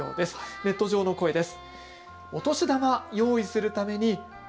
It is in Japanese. ネット上の声です。